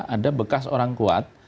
ada bekas orang kuat